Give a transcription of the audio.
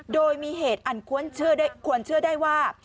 โดยมีเหตุอันควรเชื่อได้ว่า